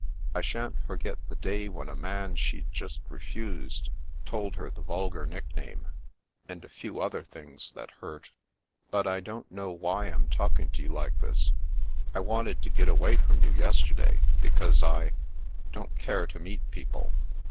I shan't forget the day when a man she'd just refused, told her the vulgar nickname — ^and a few other things that hurt. But I don't know why I'm talking to you like this. I wanted to get away from you yesterday, be cause I— don't care to meet people.